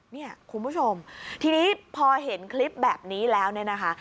เนี่ยคุณผู้ชมทีนี้พอเห็นคลิปแบบนี้แล้วเนี่ยนะคะ